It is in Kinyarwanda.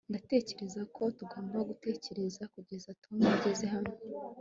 ndatekereza ko tugomba gutegereza kugeza tom ageze hano